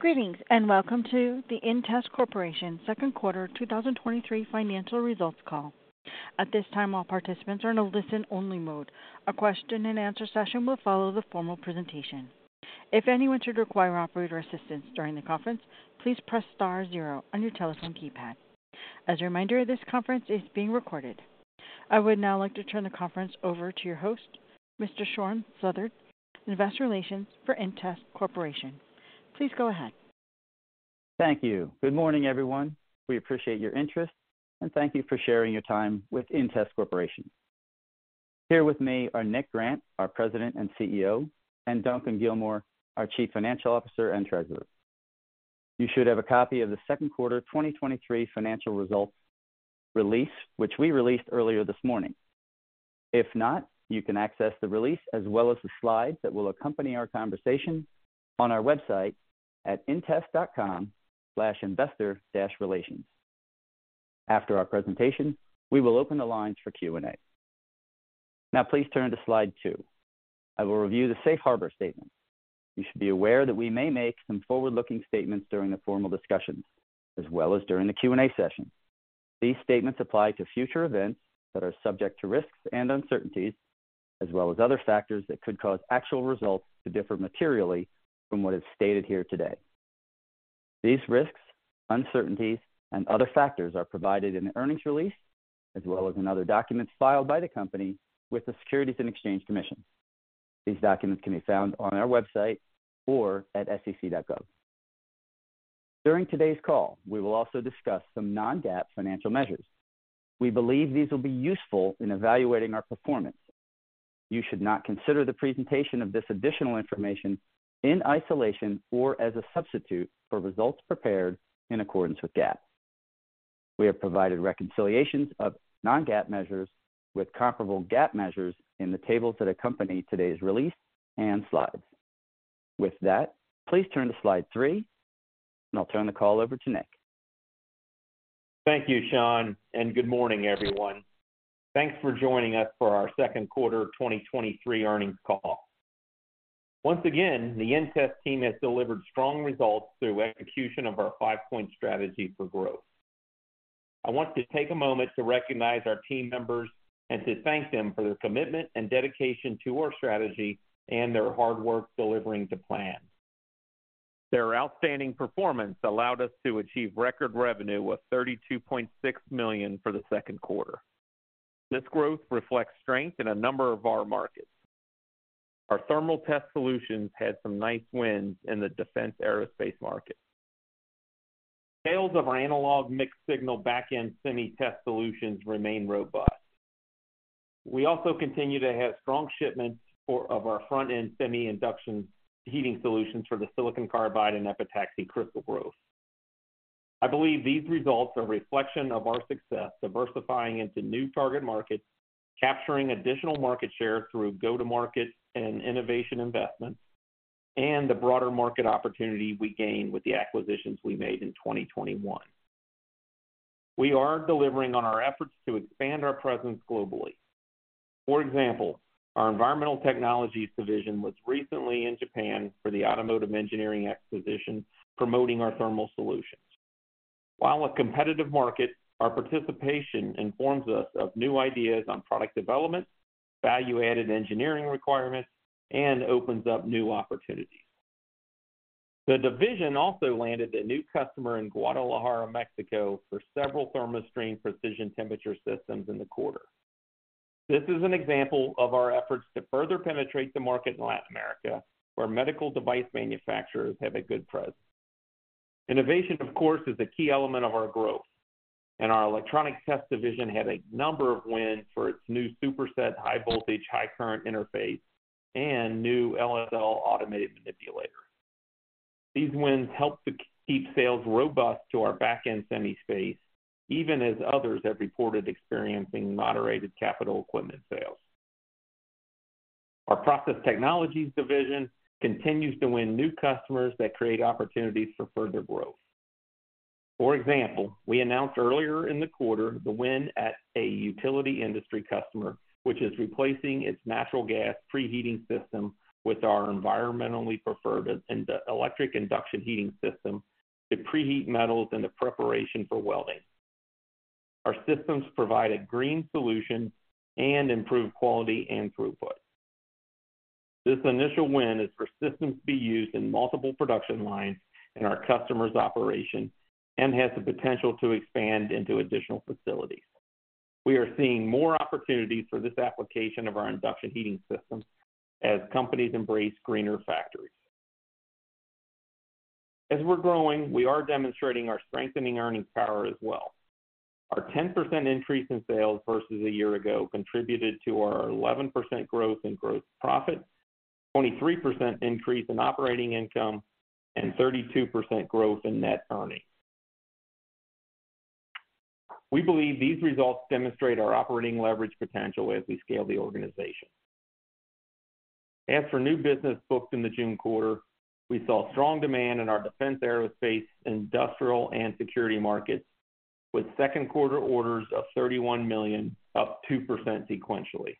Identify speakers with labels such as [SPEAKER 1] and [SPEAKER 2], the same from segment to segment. [SPEAKER 1] Greetings, and welcome to the inTEST Corporation Second Quarter 2023 Financial Results Call. At this time, all participants are in a listen-only mode. A question-and-answer session will follow the formal presentation. If anyone should require operator assistance during the conference, please press star zero on your telephone keypad. As a reminder, this conference is being recorded. I would now like to turn the conference over to your host, Mr. Sean Southard, Investor Relations for inTEST Corporation. Please go ahead.
[SPEAKER 2] Thank you. Good morning, everyone. We appreciate your interest, and thank you for sharing your time with inTEST Corporation. Here with me are Nick Grant, our President and CEO, and Duncan Gilmour, our Chief Financial Officer and Treasurer. You should have a copy of the second quarter 2023 financial results release, which we released earlier this morning. If not, you can access the release, as well as the slides that will accompany our conversation, on our website at intest.com/investor-relations. After our presentation, we will open the lines for Q&A. Please turn to slide two. I will review the safe harbor statement. You should be aware that we may make some forward-looking statements during the formal discussion as well as during the Q&A session. These statements apply to future events that are subject to risks and uncertainties, as well as other factors that could cause actual results to differ materially from what is stated here today. These risks, uncertainties, and other factors are provided in the earnings release, as well as in other documents filed by the company with the Securities and Exchange Commission. These documents can be found on our website or at sec.gov. During today's call, we will also discuss some non-GAAP financial measures. We believe these will be useful in evaluating our performance. You should not consider the presentation of this additional information in isolation or as a substitute for results prepared in accordance with GAAP. We have provided reconciliations of non-GAAP measures with comparable GAAP measures in the tables that accompany today's release and slides. With that, please turn to slide three, and I'll turn the call over to Nick.
[SPEAKER 3] Thank you, Sean, and good morning, everyone. Thanks for joining us for our second quarter 2023 earnings call. Once again, the inTEST team has delivered strong results through execution of our 5-point strategy for growth. I want to take a moment to recognize our team members and to thank them for their commitment and dedication to our strategy and their hard work delivering the plan. Their outstanding performance allowed us to achieve record revenue of $32.6 million for the second quarter. This growth reflects strength in a number of our markets. Our thermal test solutions had some nice wins in the defense aerospace market. Sales of our analog mixed signal back-end semi test solutions remain robust. We also continue to have strong shipments of our front-end semi induction heating solutions for the silicon carbide and epitaxy crystal growth. I believe these results are a reflection of our success diversifying into new target markets, capturing additional market share through go-to-market and innovation investments, and the broader market opportunity we gained with the acquisitions we made in 2021. We are delivering on our efforts to expand our presence globally. For example, our Environmental Technologies division was recently in Japan for the Automotive Engineering Exposition, promoting our thermal solutions. While a competitive market, our participation informs us of new ideas on product development, value-added engineering requirements, and opens up new opportunities. The division also landed a new customer in Guadalajara, Mexico, for several ThermoStream precision temperature systems in the quarter. This is an example of our efforts to further penetrate the market in Latin America, where medical device manufacturers have a good presence. Innovation, of course, is a key element of our growth, and our Electronic Test division had a number of wins for its new SuperSet high voltage, high current interface and new LSL automated manipulator. These wins helped to keep sales robust to our back-end semi space, even as others have reported experiencing moderated capital equipment sales. Our Process Technologies division continues to win new customers that create opportunities for further growth. For example, we announced earlier in the quarter the win at a utility industry customer, which is replacing its natural gas preheating system with our environmentally preferred and electric induction heating system to preheat metals in the preparation for welding. Our systems provide a green solution and improve quality and throughput. This initial win is for systems to be used in multiple production lines in our customer's operation and has the potential to expand into additional facilities. We are seeing more opportunities for this application of our induction heating systems as companies embrace greener factories. As we're growing, we are demonstrating our strengthening earnings power as well. Our 10% increase in sales versus a year ago contributed to our 11% growth in gross profit, 23% increase in operating income, and 32% growth in net earnings. We believe these results demonstrate our operating leverage potential as we scale the organization. As for new business booked in the June quarter, we saw strong demand in our defense, aerospace, industrial, and security markets, with second quarter orders of $31 million, up 2% sequentially.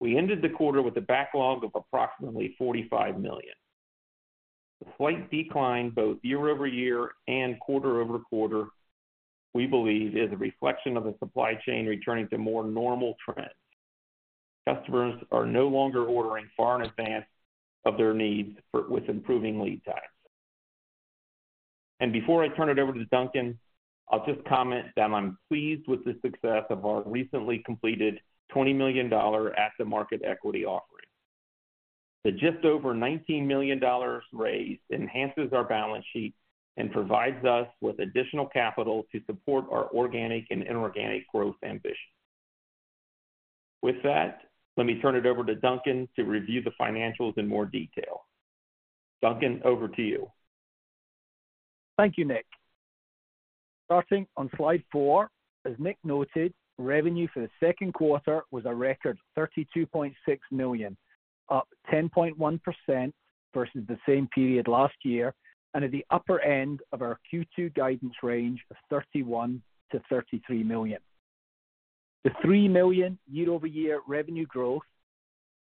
[SPEAKER 3] We ended the quarter with a backlog of approximately $45 million. A slight decline both year-over-year and quarter-over-quarter, we believe, is a reflection of the supply chain returning to more normal trends. Customers are no longer ordering far in advance of their needs with improving lead times. Before I turn it over to Duncan, I'll just comment that I'm pleased with the success of our recently completed $20 million at-the-market equity offering. The just over $19 million raised enhances our balance sheet and provides us with additional capital to support our organic and inorganic growth ambitions. With that, let me turn it over to Duncan to review the financials in more detail. Duncan, over to you.
[SPEAKER 4] Thank you, Nick. Starting on slide four, as Nick noted, revenue for the second quarter was a record $32.6 million, up 10.1% versus the same period last year, and at the upper end of our Q2 guidance range of $31 million-$33 million. The $3 million year-over-year revenue growth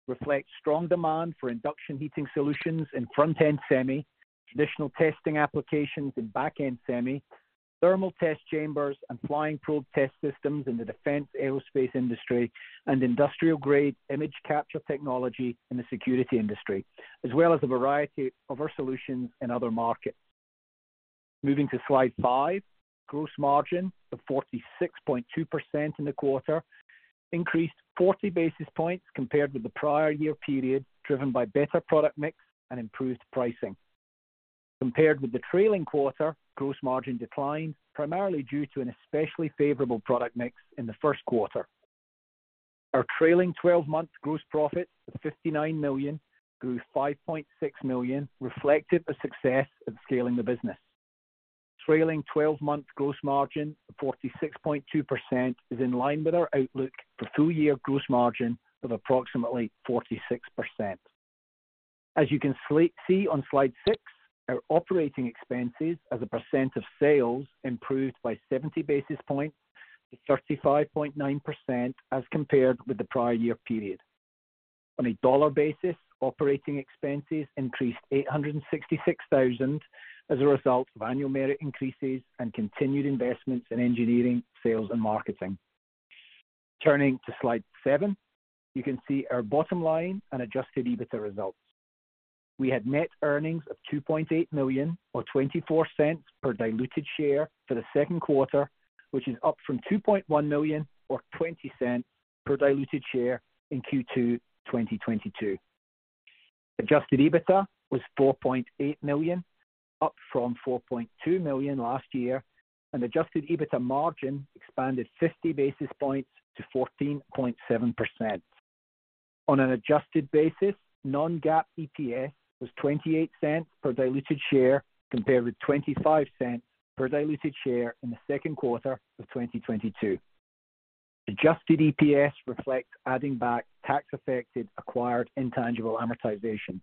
[SPEAKER 4] reflects strong demand for induction heating solutions in front-end semi, traditional testing applications in back-end semi, thermal test chambers and flying probe test systems in the defense aerospace industry, and industrial-grade image capture technology in the security industry, as well as a variety of our solutions in other markets. Moving to slide five, gross margin of 46.2% in the quarter increased 40 basis points compared with the prior year period, driven by better product mix and improved pricing. Compared with the trailing quarter, gross margin declined, primarily due to an especially favorable product mix in the first quarter. Our trailing 12 month gross profit of $59 million grew $5.6 million, reflective of success of scaling the business. Trailing 12 month gross margin of 46.2% is in line with our outlook for full year gross margin of approximately 46%. As you can see on Slide six, our operating expenses as a percent of sales improved by 70 basis points to 35.9% as compared with the prior year period. On a dollar basis, operating expenses increased $866,000 as a result of annual merit increases and continued investments in engineering, sales, and marketing. Turning to Slide seven, you can see our bottom line and Adjusted EBITDA results. We had net earnings of $2.8 million, or $0.24 per diluted share for the second quarter, which is up from $2.1 million, or $0.20 per diluted share in Q2 2022. Adjusted EBITDA was $4.8 million, up from $4.2 million last year, and Adjusted EBITDA margin expanded 50 basis points to 14.7%. On an adjusted basis, non-GAAP EPS was $0.28 per diluted share, compared with $0.25 per diluted share in the second quarter of 2022. Adjusted EPS reflects adding back tax-affected acquired intangible amortization.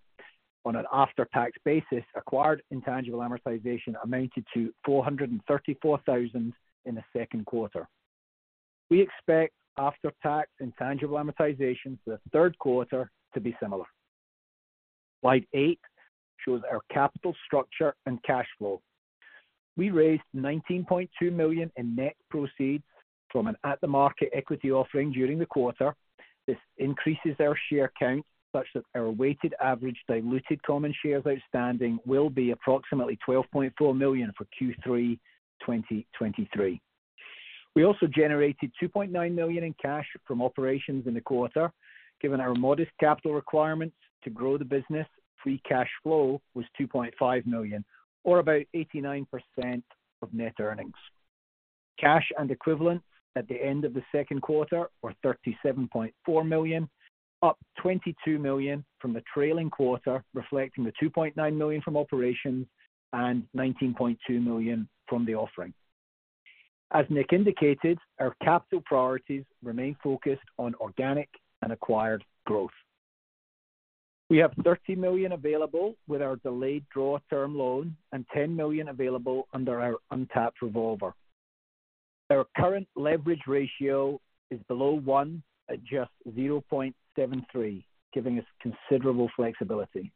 [SPEAKER 4] On an after-tax basis, acquired intangible amortization amounted to $434,000 in the second quarter. We expect after-tax intangible amortization for the third quarter to be similar. Slide eight shows our capital structure and cash flow. We raised $19.2 million in net proceeds from an at-the-market equity offering during the quarter. This increases our share count such that our weighted average diluted common shares outstanding will be approximately 12.4 million for Q3 2023. We also generated $2.9 million in cash from operations in the quarter. Given our modest capital requirements to grow the business, free cash flow was $2.5 million, or about 89% of net earnings. Cash and equivalents at the end of the second quarter were $37.4 million, up $22 million from the trailing quarter, reflecting the $2.9 million from operations and $19.2 million from the offering. As Nick indicated, our capital priorities remain focused on organic and acquired growth. We have $30 million available with our delayed draw term loan and $10 million available under our untapped revolver. Our current leverage ratio is below one at just 0.73, giving us considerable flexibility.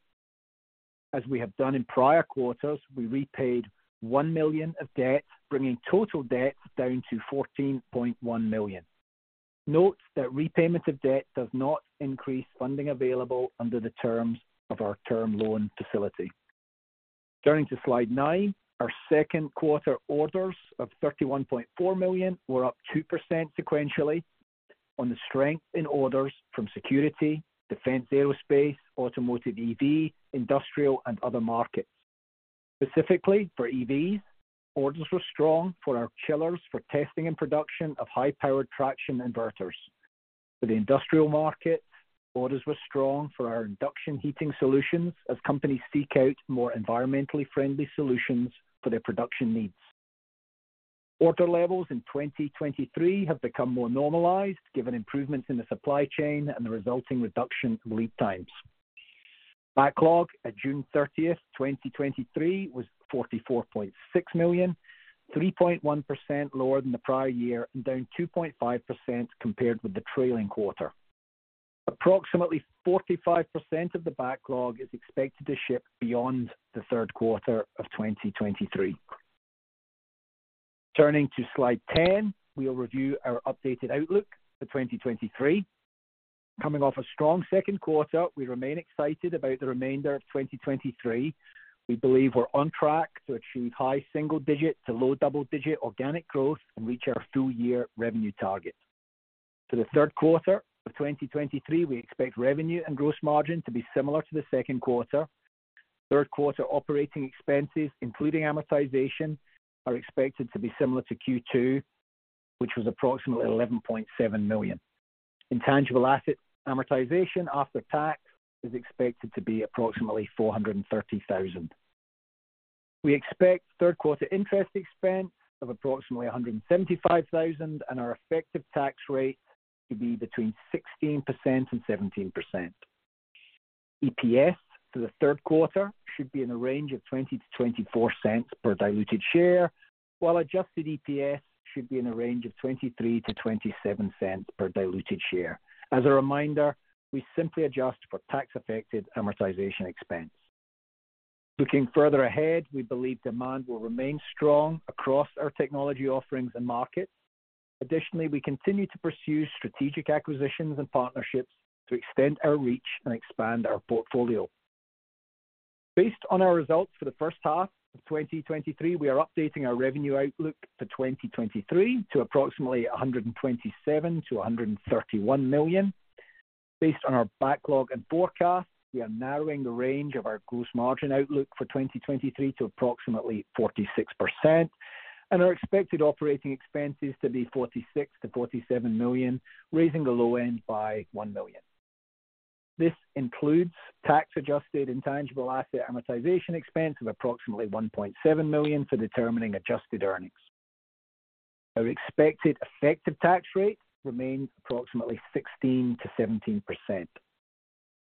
[SPEAKER 4] As we have done in prior quarters, we repaid $1 million of debt, bringing total debt down to $14.1 million. Note that repayment of debt does not increase funding available under the terms of our term loan facility. Turning to Slide nine, our second quarter orders of $31.4 million were up 2% sequentially on the strength in orders from security, defense, aerospace, automotive, EV, industrial, and other markets. Specifically for EVs, orders were strong for our chillers for testing and production of high-powered traction inverters. For the industrial markets, orders were strong for our induction heating solutions as companies seek out more environmentally friendly solutions for their production needs. Order levels in 2023 have become more normalized, given improvements in the supply chain and the resulting reduction in lead times. Backlog at June 30th, 2023, was $44.6 million, 3.1% lower than the prior year and down 2.5% compared with the trailing quarter. Approximately 45% of the backlog is expected to ship beyond the third quarter of 2023. Turning to slide 10, we will review our updated outlook for 2023. Coming off a strong second quarter, we remain excited about the remainder of 2023. We believe we're on track to achieve high single digit to low double-digit organic growth and reach our full year revenue target. For the third quarter of 2023, we expect revenue and gross margin to be similar to the second quarter. Third quarter operating expenses, including amortization, are expected to be similar to Q2, which was approximately $11.7 million. Intangible asset amortization after tax is expected to be approximately $430,000. We expect third quarter interest expense of approximately $175,000, and our effective tax rate to be between 16% and 17%. EPS for the third quarter should be in a range of $0.20-$0.24 per diluted share, while Adjusted EPS should be in a range of $0.23-$0.27 per diluted share. As a reminder, we simply adjust for tax-affected amortization expense. Looking further ahead, we believe demand will remain strong across our technology offerings and markets. Additionally, we continue to pursue strategic acquisitions and partnerships to extend our reach and expand our portfolio. Based on our results for the first half of 2023, we are updating our revenue outlook for 2023 to approximately $127 million-$131 million. Based on our backlog and forecast, we are narrowing the range of our gross margin outlook for 2023 to approximately 46%, and our expected operating expenses to be $46 million-$47 million, raising the low end by $1 million. This includes tax-adjusted intangible asset amortization expense of approximately $1.7 million for determining adjusted earnings. Our expected effective tax rate remains approximately 16%-17%.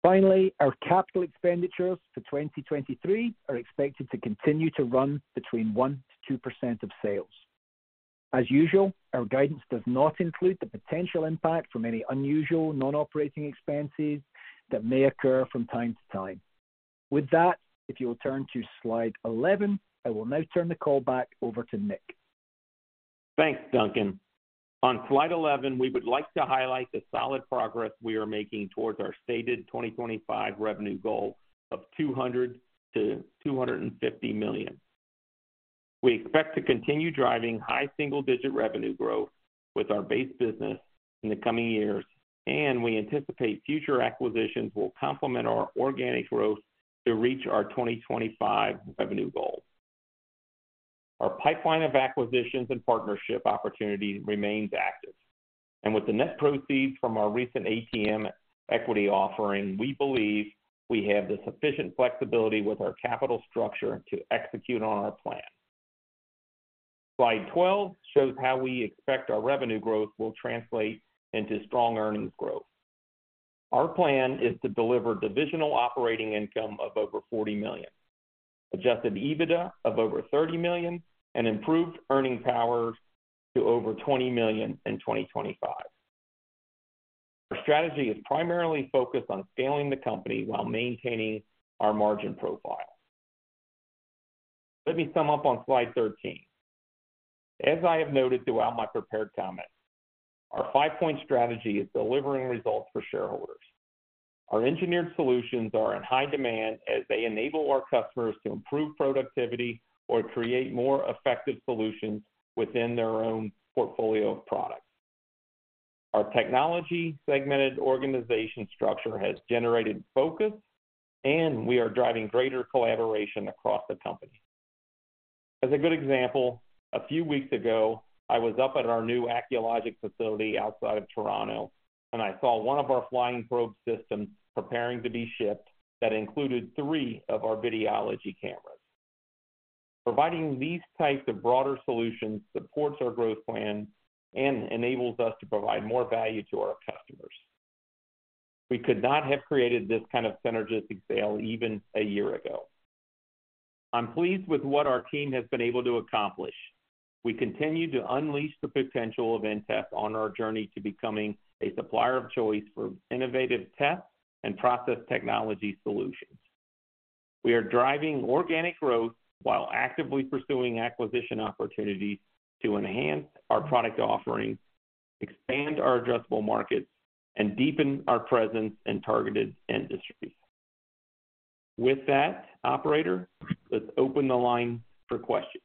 [SPEAKER 4] Our capital expenditures for 2023 are expected to continue to run between 1%-2% of sales. As usual, our guidance does not include the potential impact from any unusual non-operating expenses that may occur from time to time. With that, if you'll turn to slide 11, I will now turn the call back over to Nick.
[SPEAKER 3] Thanks, Duncan. On slide 11, we would like to highlight the solid progress we are making towards our stated 2025 revenue goal of $200 million-$250 million. We expect to continue driving high single-digit revenue growth with our base business in the coming years, and we anticipate future acquisitions will complement our organic growth to reach our 2025 revenue goal. Our pipeline of acquisitions and partnership opportunities remains active, and with the net proceeds from our recent ATM equity offering, we believe we have the sufficient flexibility with our capital structure to execute on our plan. Slide 12 shows how we expect our revenue growth will translate into strong earnings growth. Our plan is to deliver divisional operating income of over $40 million, Adjusted EBITDA of over $30 million, and improved earning power to over $20 million in 2025. Our strategy is primarily focused on scaling the company while maintaining our margin profile. Let me sum up on slide 13. As I have noted throughout my prepared comments, our five-point strategy is delivering results for shareholders. Our engineered solutions are in high demand as they enable our customers to improve productivity or create more effective solutions within their own portfolio of products. Our technology-segmented organization structure has generated focus, and we are driving greater collaboration across the company. As a good example, a few weeks ago, I was up at our new Acculogic facility outside of Toronto, and I saw one of our flying probe systems preparing to be shipped that included three of our Videology cameras. Providing these types of broader solutions supports our growth plan and enables us to provide more value to our customers. We could not have created this kind of synergistic sale even a year ago. I'm pleased with what our team has been able to accomplish. We continue to unleash the potential of inTEST on our journey to becoming a supplier of choice for innovative test and process technology solutions. We are driving organic growth while actively pursuing acquisition opportunities to enhance our product offerings, expand our addressable markets, and deepen our presence in targeted industries. With that, operator, let's open the line for questions.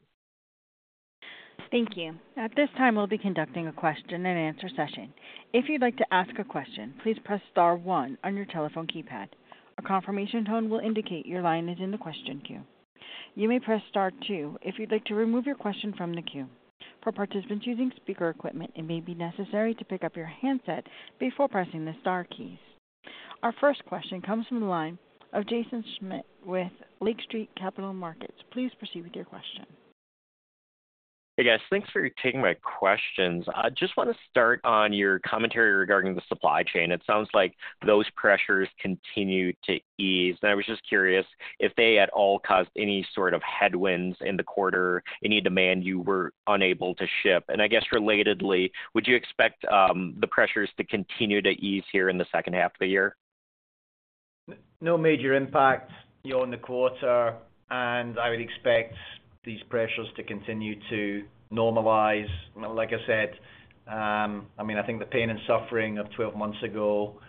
[SPEAKER 1] Thank you. At this time, we'll be conducting a question-and-answer session. If you'd like to ask a question, please press star one on your telephone keypad. A confirmation tone will indicate your line is in the question queue. You may press star two if you'd like to remove your question from the queue. For participants using speaker equipment, it may be necessary to pick up your handset before pressing the star keys. Our first question comes from the line of Jaeson Schmidt with Lake Street Capital Markets. Please proceed with your question.
[SPEAKER 5] Hey, guys. Thanks for taking my questions. I just want to start on your commentary regarding the supply chain. It sounds like those pressures continue to ease, and I was just curious if they at all caused any sort of headwinds in the quarter, any demand you were unable to ship? I guess relatedly, would you expect the pressures to continue to ease here in the second half of the year?
[SPEAKER 4] No major impact on the quarter. I would expect these pressures to continue to normalize. Like I said, I mean, I think the pain and suffering of 12 months ago,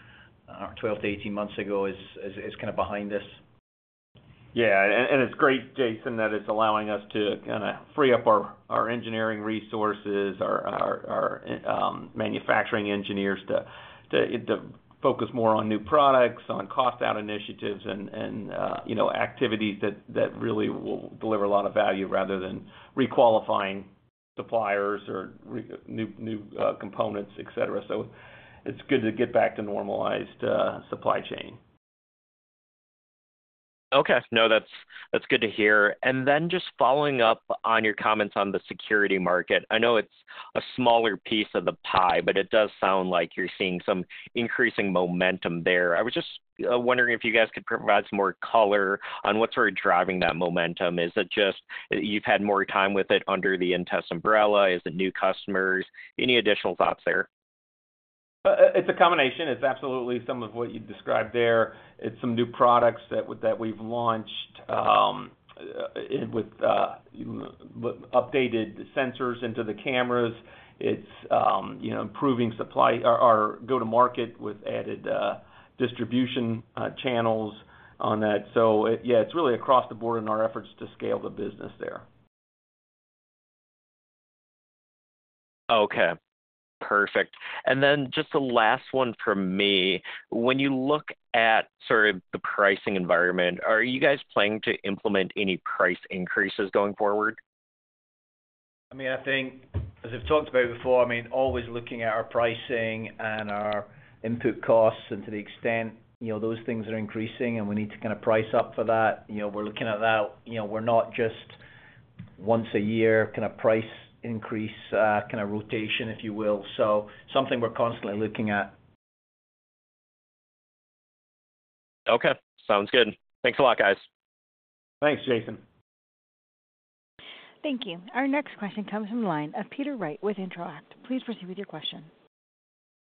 [SPEAKER 4] or 12-18 months ago is, is kind of behind us.
[SPEAKER 3] It's great, Jaeson, that it's allowing us to kind of free up our, our engineering resources, our, our, our manufacturing engineers to focus more on new products, on cost-out initiatives and, you know, activities that, that really will deliver a lot of value rather than requalifying suppliers or new, new components, et cetera. It's good to get back to normalized supply chain.
[SPEAKER 5] Okay. No, that's, that's good to hear. Just following up on your comments on the security market. I know it's a smaller piece of the pie, but it does sound like you're seeing some increasing momentum there. I was just wondering if you guys could provide some more color on what's sort of driving that momentum. Is it just that you've had more time with it under the inTEST umbrella? Is it new customers? Any additional thoughts there?
[SPEAKER 3] It's a combination. It's absolutely some of what you described there. It's some new products that we, that we've launched with updated sensors into the cameras. It's, you know, improving supply or, or go-to-market with added distribution channels on that. Yeah, it's really across the board in our efforts to scale the business there.
[SPEAKER 5] Okay, perfect. Then just the last one from me. When you look at sort of the pricing environment, are you guys planning to implement any price increases going forward?
[SPEAKER 4] I mean, I think as I've talked about before, I mean, always looking at our pricing and our input costs, and to the extent, you know, those things are increasing, and we need to kind of price up for that. You know, we're looking at that. You know, we're not just 1 a year kind of price increase, kind of rotation, if you will. Something we're constantly looking at.
[SPEAKER 5] Okay. Sounds good. Thanks a lot, guys.
[SPEAKER 3] Thanks, Jaeson.
[SPEAKER 1] Thank you. Our next question comes from the line of Peter Wright with Intro-act. Please proceed with your question.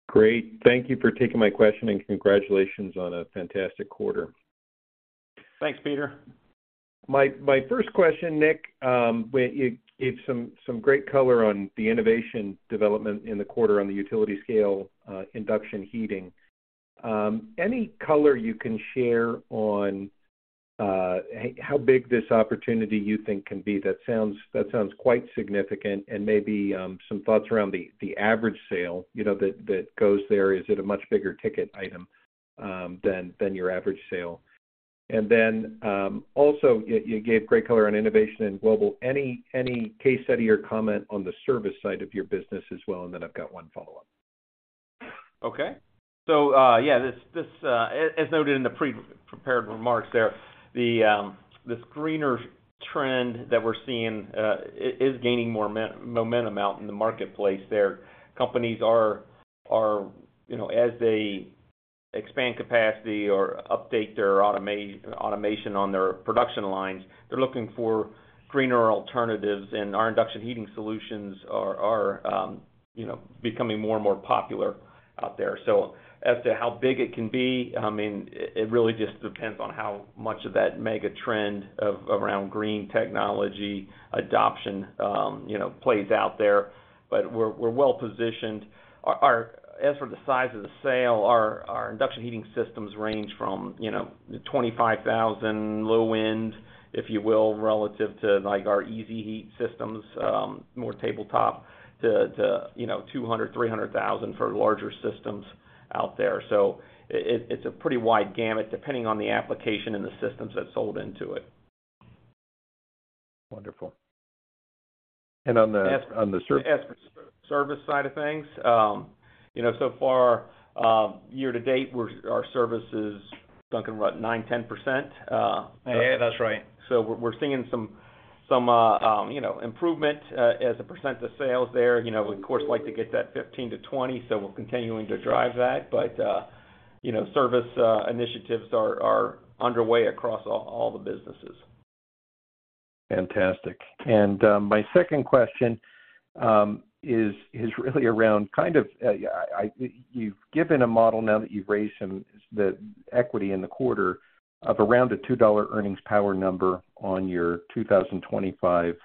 [SPEAKER 6] Great. Thank you for taking my question, and congratulations on a fantastic quarter.
[SPEAKER 3] Thanks, Peter.
[SPEAKER 6] My, my first question, Nick, when you gave some, some great color on the innovation development in the quarter on the utility scale induction heating. Any color you can share on how big this opportunity you think can be? That sounds, that sounds quite significant. Maybe some thoughts around the, the average sale, you know, that, that goes there. Is it a much bigger ticket item than, than your average sale? Then also, you, you gave great color on innovation in global. Any, any case study or comment on the service side of your business as well? Then I've got one follow-up.
[SPEAKER 3] Okay. Yeah, this, this, as noted in the pre-prepared remarks there, the, this greener trend that we're seeing, is gaining more momentum out in the marketplace there. Companies are, are, you know, as they expand capacity or update their automation on their production lines, they're looking for greener alternatives, and our induction heating solutions are, are, you know, becoming more and more popular out there. As to how big it can be, I mean, it, it really just depends on how much of that mega trend of, around green technology adoption, you know, plays out there. But we're, we're well positioned. Our... As for the size of the sale, our, our induction heating systems range from, you know, $25,000 low end, if you will, relative to, like, our EASYHEAT systems, more tabletop to, to, you know, $200,000-$300,000 for larger systems out there. It's a pretty wide gamut, depending on the application and the systems that sold into it.
[SPEAKER 6] Wonderful. On the service?
[SPEAKER 3] As for service side of things, you know, so far, year-to-date, we're, our service is stuck in about 9%-10%.
[SPEAKER 4] Yeah, that's right.
[SPEAKER 3] We're, we're seeing some, some, you know, improvement, as a percent of sales there. You know, we, of course, like to get that 15%-20%, so we're continuing to drive that. You know, service, initiatives are, are underway across all, all the businesses.
[SPEAKER 6] Fantastic. My second question is really around kind of, you've given a model now that you've raised some, the equity in the quarter of around a $2 earnings power number on your 2025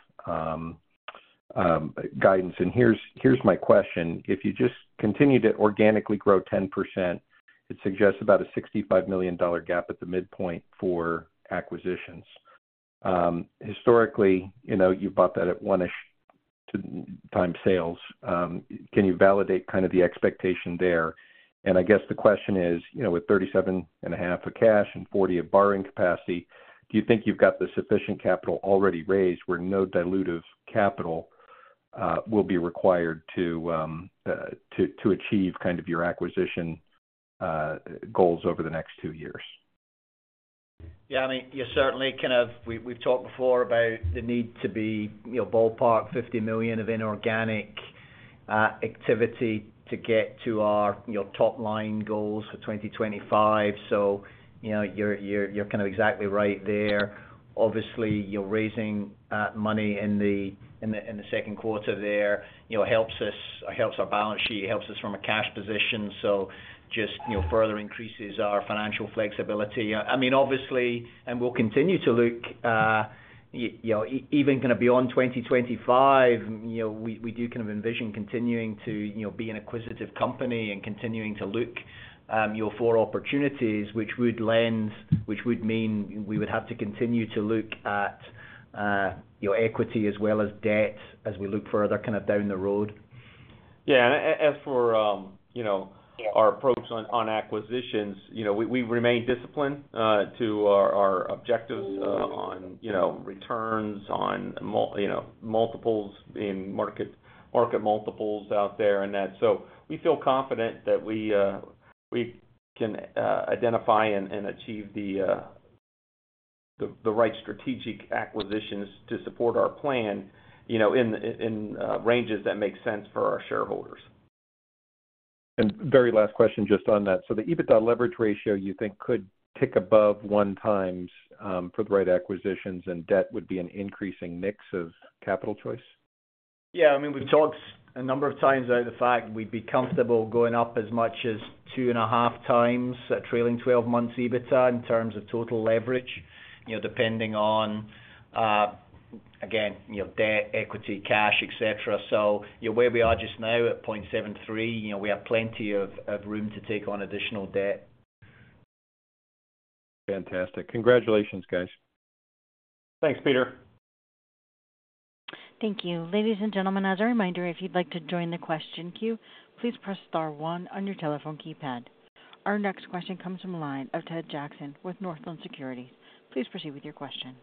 [SPEAKER 6] guidance. Here's, here's my question: If you just continue to organically grow 10%, it suggests about a $65 million gap at the midpoint for acquisitions. Historically, you know, you bought that at one-ish time sales. Can you validate kind of the expectation there? I guess the question is, you know, with $37.5 million of cash and $40 million of borrowing capacity, do you think you've got the sufficient capital already raised where no dilutive capital will be required to achieve kind of your acquisition goals over the next two years?
[SPEAKER 4] I mean, you certainly kind of we've talked before about the need to be, you know, ballpark $50 million of inorganic activity to get to our, you know, top-line goals for 2025. You know, you're kind of exactly right there. Obviously, you're raising money in the second quarter there, you know, helps us, helps our balance sheet, helps us from a cash position. Just, you know, further increases our financial flexibility. I mean, obviously, and we'll continue to look, you, you know, even kind of beyond 2025, you know, we, we do kind of envision continuing to, you know, be an acquisitive company and continuing to look, you know, for opportunities which would mean we would have to continue to look at your equity as well as debt as we look further kind of down the road.
[SPEAKER 3] Yeah. As for, you know, our approach on, on acquisitions, you know, we, we remain disciplined to our, our objectives on, you know, returns on you know, multiples in market, market multiples out there. That so we feel confident that we can identify and achieve the right strategic acquisitions to support our plan, you know, in, in ranges that make sense for our shareholders.
[SPEAKER 6] Very last question just on that. The EBITDA leverage ratio, you think, could tick above 1x for the right acquisitions, and debt would be an increasing mix of capital choice?
[SPEAKER 4] Yeah. I mean, we've talked a number of times about the fact we'd be comfortable going up as much as 2.5x trailing 12 months EBITDA in terms of total leverage, you know, depending on, again, you know, debt, equity, cash, et cetera. You know where we are just now at 0.73, you know, we have plenty of room to take on additional debt.
[SPEAKER 6] Fantastic. Congratulations, guys.
[SPEAKER 3] Thanks, Peter.
[SPEAKER 1] Thank you. Ladies, and gentlemen, as a reminder, if you'd like to join the question queue, please press star one on your telephone keypad. Our next question comes from the line of Ted Jackson with Northland Securities. Please proceed with your question.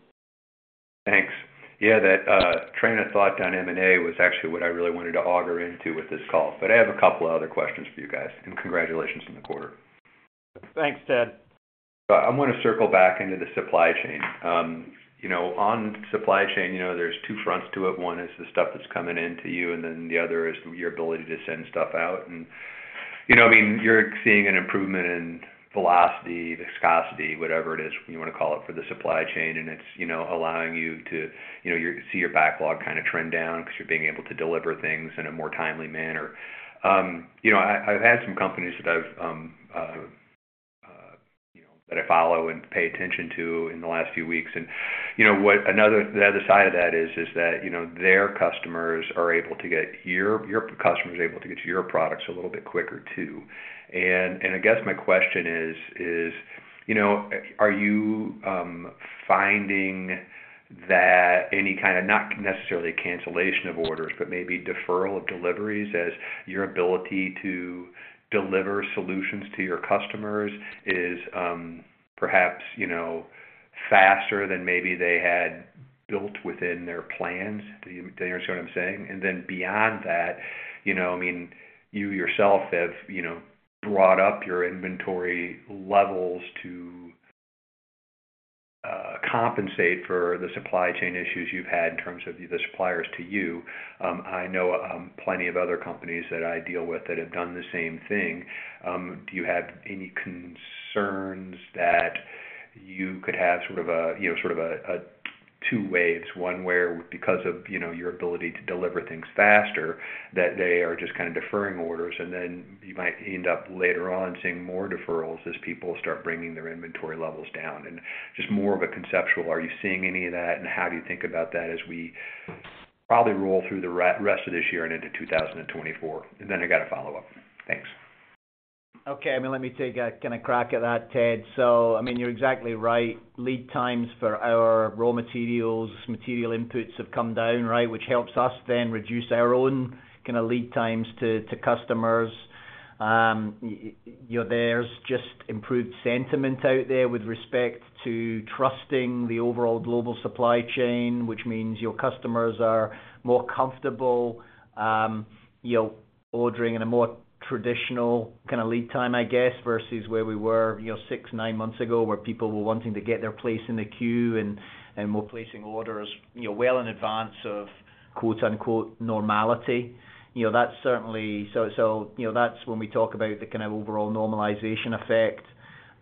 [SPEAKER 7] Thanks. Yeah, that, train of thought on M&A was actually what I really wanted to auger into with this call, but I have a couple other questions for you guys, and congratulations on the quarter.
[SPEAKER 3] Thanks, Ted.
[SPEAKER 7] I'm gonna circle back into the supply chain. you know, on supply chain, you know, there's two fronts to it. One is the stuff that's coming in to you, and then the other is your ability to send stuff out. You know, I mean, you're seeing an improvement in velocity, viscosity, whatever it is you wanna call it, for the supply chain, and it's, you know, allowing you to, you know, you see your backlog kind of trend down because you're being able to deliver things in a more timely manner. you know, I, I've had some companies that I've, you know, that I follow and pay attention to in the last few weeks. You know what? The other side of that is, is that, you know, their customers are able to get your... Your customers are able to get to your products a little bit quicker, too. I guess my question is, is, you know, are you finding that any kind of, not necessarily cancellation of orders, but maybe deferral of deliveries as your ability to deliver solutions to your customers is, perhaps, you know, faster than maybe they had built within their plans? Do you understand what I'm saying? Then beyond that, you know, I mean, you yourself have, you know, brought up your inventory levels to compensate for the supply chain issues you've had in terms of the suppliers to you. I know, plenty of other companies that I deal with that have done the same thing. Do you have any concerns that you could have sort of a, you know, sort of a, a two waves, one where, because of, you know, your ability to deliver things faster, that they are just kind of deferring orders, and then you might end up later on seeing more deferrals as people start bringing their inventory levels down? Just more of a conceptual, are you seeing any of that, and how do you think about that as we probably roll through the rest of this year and into 2024? Then I got a follow-up. Thanks.
[SPEAKER 4] Okay. I mean, let me take a kind of crack at that, Ted. I mean, you're exactly right. Lead times for our raw materials, material inputs have come down, right? Which helps us then reduce our own kind of lead times to, to customers. You know, there's just improved sentiment out there with respect to trusting the overall global supply chain, which means your customers are more comfortable, you know, ordering in a more traditional kind of lead time, I guess, versus where we were, you know, six, nine months ago, where people were wanting to get their place in the queue and, and were placing orders, you know, well in advance of, quote, unquote, "normality." You know, that's certainly... You know, that's when we talk about the kind of overall normalization effect.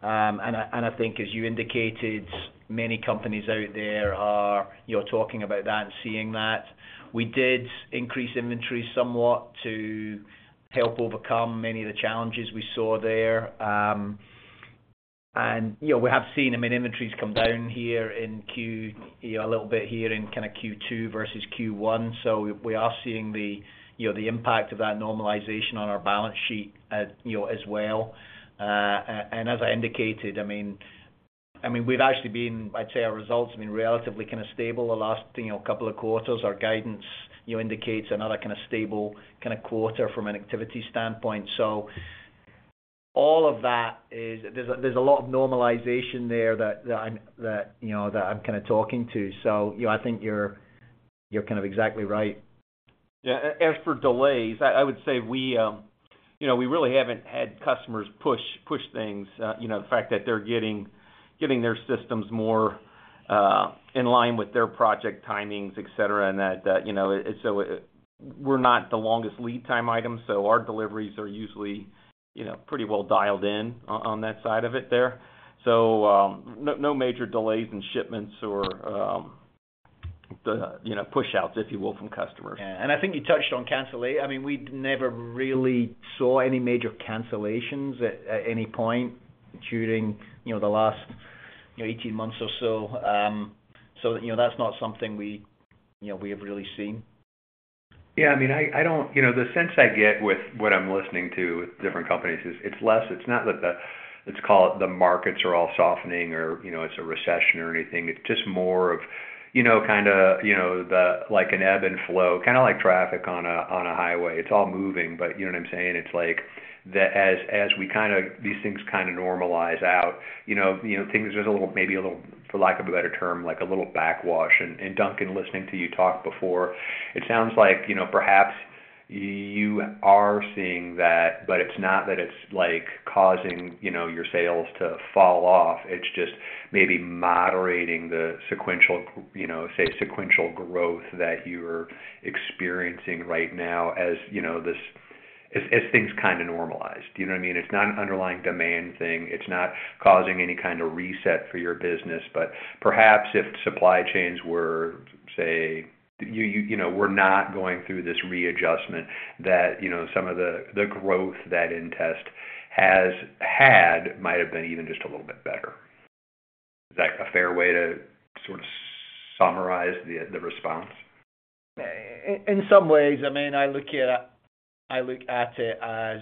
[SPEAKER 4] I, and I think as you indicated, many companies out there are, you're talking about that and seeing that. We did increase inventory somewhat to help overcome many of the challenges we saw there. You know, we have seen, I mean, inventories come down here, you know, a little bit here in kind of Q2 versus Q1. We are seeing the, you know, the impact of that normalization on our balance sheet, you know, as well. As I indicated, I mean, I mean, I'd say our results have been relatively kind of stable the last, you know, couple of quarters. Our guidance, you know, indicates another kind of stable kind of quarter from an activity standpoint. All of that is, there's, there's a lot of normalization there that, that I'm, that, you know, that I'm kind of talking to. You know, I think you're, you're kind of exactly right.
[SPEAKER 3] Yeah, as for delays, I, I would say we, you know, we really haven't had customers push, push things. You know, the fact that they're getting, getting their systems more, in line with their project timings, et cetera, and that, that, you know, so we're not the longest lead time item, so our deliveries are usually, you know, pretty well dialed in on that side of it there. No, no major delays in shipments or, the, you know, push outs, if you will, from customers.
[SPEAKER 4] Yeah, I think you touched on cancellations. I mean, we never really saw any major cancellations at, at any point during, you know, the last, you know, 18 months or so. That's not something we, you know, we have really seen.
[SPEAKER 7] Yeah, I mean, I, I don't. You know, the sense I get with what I'm listening to with different companies is, it's less, it's not that let's call it, the markets are all softening or, you know, it's a recession or anything. It's just more of, you know, kinda, you know, the like an ebb and flow, kinda like traffic on a, on a highway. It's all moving, but you know what I'm saying? It's like that as, as we kind of, these things kinda normalize out, you know, you know, things are just a little, maybe a little, for lack of a better term, like a little backwash. Duncan, listening to you talk before, it sounds like, you know, perhaps you are seeing that, but it's not that it's, like, causing, you know, your sales to fall off. It's just maybe moderating the sequential, you know, say, sequential growth that you're experiencing right now, as you know, as things kinda normalize. Do you know what I mean? It's not an underlying demand thing. It's not causing any kind of reset for your business. But perhaps if supply chains were, say, you, you, you know, were not going through this readjustment, that, you know, some of the, the growth that inTEST has had, might have been even just a little bit better. Is that a fair way to sort of summarize the, the response?
[SPEAKER 4] In some ways. I mean, I look at it, I look at it as...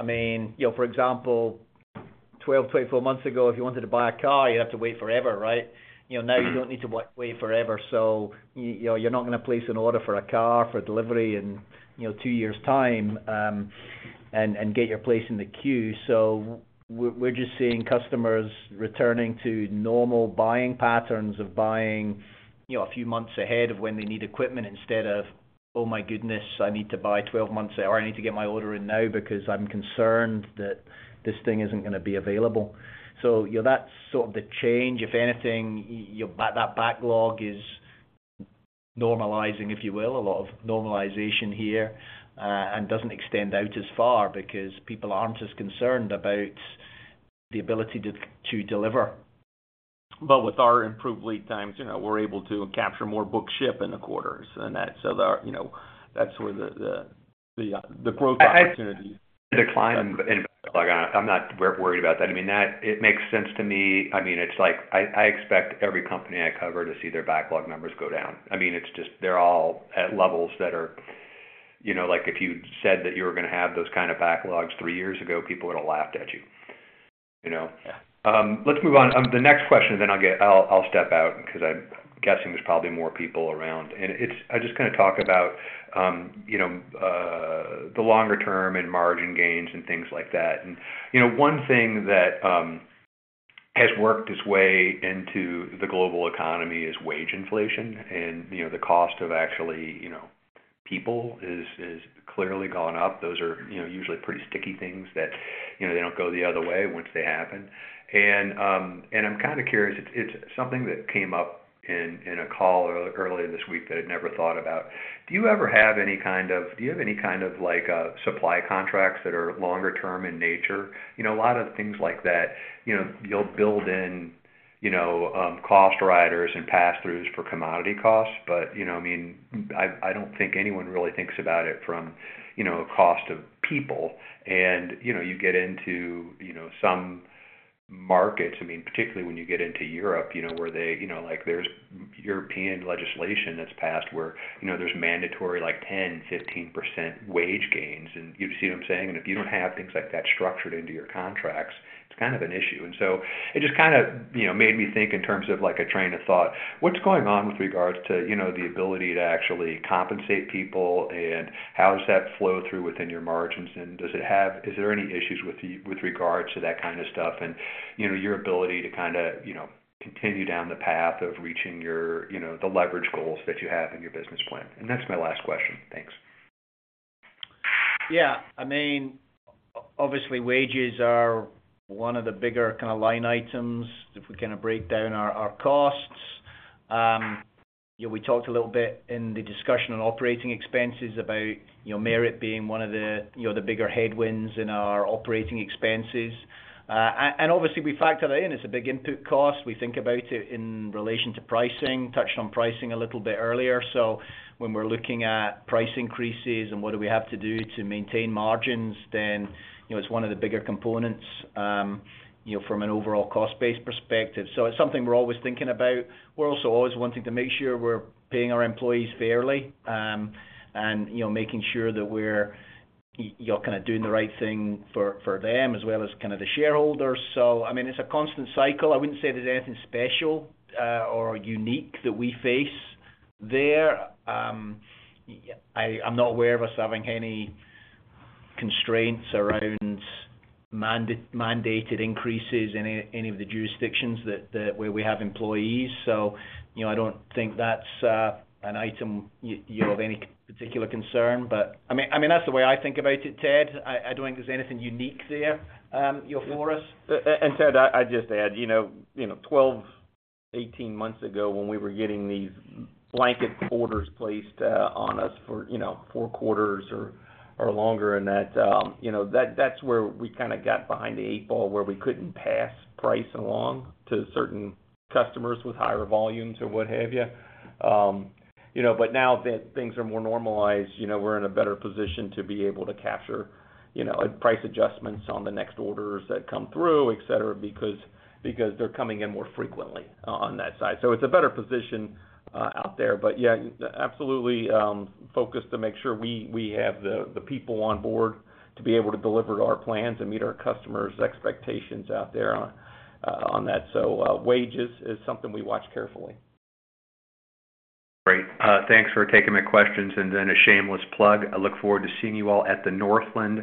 [SPEAKER 4] I mean, you know, for example, 12, 24 months ago, if you wanted to buy a car, you'd have to wait forever, right? You know, now you don't need to wait forever. You know, you're not gonna place an order for a car for delivery in, you know, two years time, and, and get your place in the queue. We're just seeing customers returning to normal buying patterns of buying, you know, a few months ahead of when they need equipment, instead of, "Oh, my goodness, I need to buy 12 months, or I need to get my order in now because I'm concerned that this thing isn't gonna be available." You know, that's sort of the change. If anything, that backlog is normalizing, if you will, a lot of normalization here, and doesn't extend out as far, because people aren't as concerned about the ability to deliver.
[SPEAKER 3] With our improved lead times, you know, we're able to capture more book-and-ship in the quarters, and that. There are, you know, that's where the, the, the, the growth opportunity-
[SPEAKER 7] The decline in backlog, I'm not worried about that. I mean, that it makes sense to me. I mean, it's like I, I expect every company I cover to see their backlog numbers go down. I mean, it's just they're all at levels that are, you know, like, if you said that you were gonna have those kind of backlogs three years ago, people would've laughed at you, you know?
[SPEAKER 4] Yeah.
[SPEAKER 7] Let's move on. The next question, then I'll get, I'll, I'll step out because I'm guessing there's probably more people around. It's, I just kind of talk about, you know, the longer term and margin gains and things like that. You know, one thing that has worked its way into the global economy is wage inflation. You know, the cost of actually, you know, people is, is clearly gone up. Those are, you know, usually pretty sticky things that, you know, they don't go the other way once they happen. And I'm kind of curious, it's, it's something that came up in, in a call earlier this week that I'd never thought about: Do you ever have any kind of, Do you have any kind of, like, supply contracts that are longer term in nature? You know, a lot of things like that, you know, you'll build in, you know, cost riders and passthroughs for commodity costs. You know, I mean, I, I don't think anyone really thinks about it from, you know, cost of people. You know, you get into, you know, some markets, I mean, particularly when you get into Europe, you know, where they, you know, like, there's European legislation that's passed where, you know, there's mandatory, like, 10%-15% wage gains, and you see what I'm saying? If you don't have things like that structured into your contracts, it's kind of an issue. It just kind of, you know, made me think in terms of, like, a train of thought. What's going on with regards to, you know, the ability to actually compensate people, and how does that flow through within your margins? Is there any issues with regards to that kind of stuff and, you know, your ability to kind of, you know, continue down the path of reaching your, you know, the leverage goals that you have in your business plan? That's my last question. Thanks.
[SPEAKER 4] Yeah. I mean, obviously, wages are one of the bigger kinda line items, if we kinda break down our, our costs. You know, we talked a little bit in the discussion on operating expenses about, you know, merit being one of the, you know, the bigger headwinds in our operating expenses. Obviously, we factor that in. It's a big input cost. We think about it in relation to pricing. Touched on pricing a little bit earlier. When we're looking at price increases and what do we have to do to maintain margins, then, you know, it's one of the bigger components, you know, from an overall cost base perspective. It's something we're always thinking about. We're also always wanting to make sure we're paying our employees fairly, and, you know, making sure that we're, you're kind of doing the right thing for, for them as well as kind of the shareholders. I mean, it's a constant cycle. I wouldn't say there's anything special or unique that we face there. I, I'm not aware of us having any constraints around mandated increases in any, any of the jurisdictions that, that where we have employees. You know, I don't think that's an item yield any particular concern. I mean, I mean, that's the way I think about it, Ted. I, I don't think there's anything unique there, you know, for us.
[SPEAKER 3] Ted, I, I just add, you know, you know, 12, 18 months ago, when we were getting these blanket orders placed on us for, you know, four quarters or, or longer, and that, you know, that's where we kinda got behind the eight ball, where we couldn't pass price along to certain customers with higher volumes or what have you. You know, now that things are more normalized, you know, we're in a better position to be able to capture, you know, price adjustments on the next orders that come through, et cetera, because, because they're coming in more frequently on that side. It's a better position out there. Yeah, absolutely, focused to make sure we, we have the, the people on board to be able to deliver to our plans and meet our customers' expectations out there on, on that. Wages is something we watch carefully.
[SPEAKER 7] Great. Thanks for taking my questions, and then a shameless plug. I look forward to seeing you all at the Northland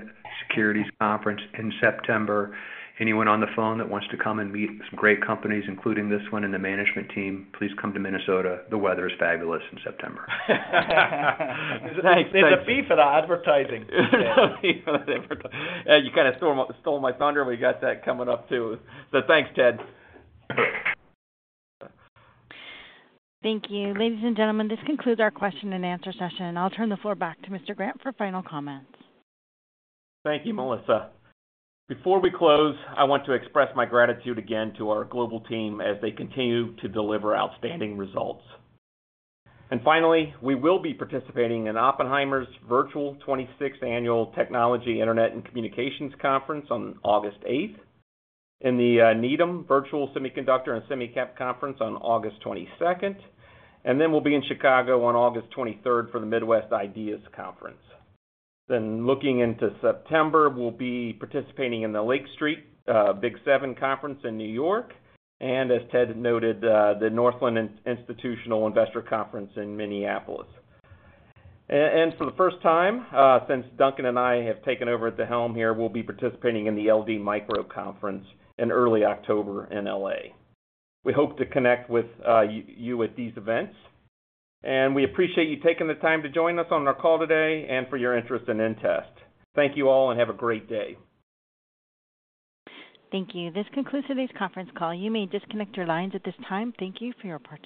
[SPEAKER 7] Securities Conference in September. Anyone on the phone that wants to come and meet some great companies, including this one and the management team, please come to Minnesota. The weather is fabulous in September.
[SPEAKER 4] There's a fee for the advertising.
[SPEAKER 3] You kinda stole my, stole my thunder. We got that coming up, too. Thanks, Ted.
[SPEAKER 1] Thank you. Ladies, and gentlemen, this concludes our question-and-answer session, and I'll turn the floor back to Mr. Grant for final comments.
[SPEAKER 3] Thank you, Melissa. Before we close, I want to express my gratitude again to our global team as they continue to deliver outstanding results. Finally, we will be participating in Oppenheimer's Virtual 26th Annual Technology, Internet, and Communications Conference on August 8th, in the Needham Virtual Semiconductor and SemiCap Conference on August 22nd. We'll be in Chicago on August 23rd for the Midwest IDEAS Investor Conference. Looking into September, we'll be participating in the Lake Street BIG7 Conference in New York, and as Ted noted, the Northland Capital Markets Institutional Investor Conference in Minneapolis. For the first time, since Duncan and I have taken over at the helm here, we'll be participating in the LD Micro Conference in early October in L.A. We hope to connect with you at these events, and we appreciate you taking the time to join us on our call today and for your interest in inTEST. Thank you all, and have a great day.
[SPEAKER 1] Thank you. This concludes today's conference call. You may disconnect your lines at this time. Thank you for your participation.